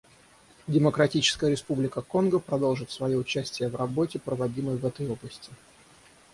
Демократическая республика Конго продолжит свое участие в работе, проводимой в этой области.